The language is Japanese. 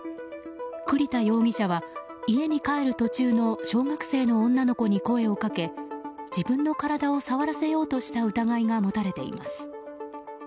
栗田容疑者は家に帰る途中の小学生の女の子に声をかけ自分の体を触らせようとした疑いが持たれています。